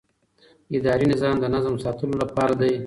اداري نظام د نظم ساتلو لپاره دی.